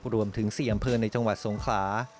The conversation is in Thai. รวมถึง๔อำเภอในจังหวัดสงขลา